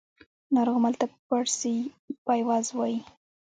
ناروغمل ته په پاړسو پایواز وايي